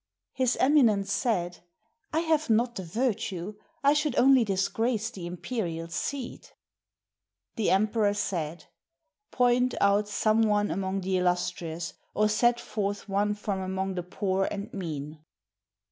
His Eminence said, "I have not the virtue. I should only disgrace the imperial seat." The emperor said, " Point out some one among the illustrious, or set forth one from among the poor and mean."